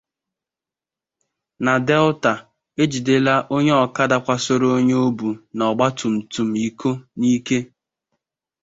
Na Delta, E Jidela Onye Ọkada Kwasoro Onye O Bu n'Ọgbaatumtum Iko n'Ike